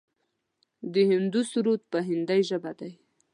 د هندو سرود په هندۍ ژبه دی.